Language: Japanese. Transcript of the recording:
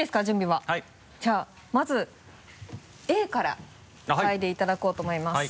じゃあまずＡから嗅いでいただこうと思います。